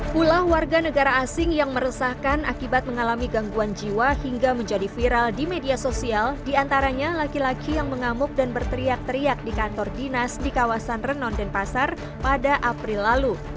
pula warga negara asing yang meresahkan akibat mengalami gangguan jiwa hingga menjadi viral di media sosial diantaranya laki laki yang mengamuk dan berteriak teriak di kantor dinas di kawasan renon denpasar pada april lalu